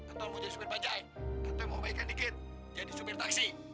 atau lo mau jadi supir bajai atau mau baikkan dikit jadi supir taksi